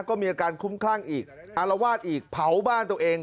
ก็มีอาการคุ้มคลั่งอีกอารวาสอีกเผาบ้านตัวเอง